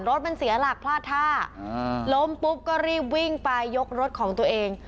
รถมันเสียหลักพลาดท่าล้มปุ๊บก็รีบวิ่งไปยกรถของตัวเอง